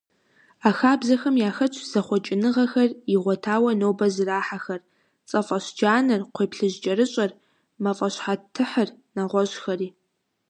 А хабзэхэм яхэтщ зэхъуэкӀыныгъэхэр игъуэтауэ нобэ зэрахьэхэр: цӀэфӀэщджанэр, кхъуейплъыжькӀэрыщӀэр, мафӀащхьэтыхьыр, нэгъуэщӀхэри.